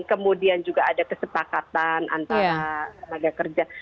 kemudian juga ada kesepakatan antara tenaga kerja